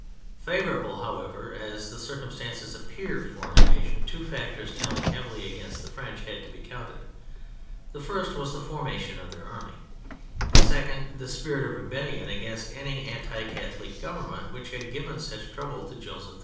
Favourable, however, as the circumstances appeared for an invasion, two factors telling heavily against the French had to be counted : the first was the formation of their army, the second the spirit of rebellion against any anti Catholic Government which had given such trouble to Joseph II.